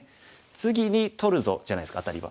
「次に取るぞ」じゃないですかアタリは。